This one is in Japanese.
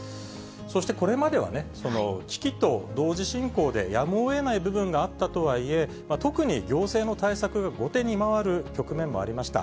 そして、これまでは危機と同時進行で、やむをえない部分があったとはいえ、特に行政の対策が後手に回る局面もありました。